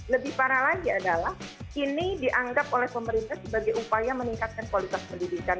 lebih parah lagi adalah ini dianggap oleh pemerintah sebagai upaya meningkatkan kualitas pendidikan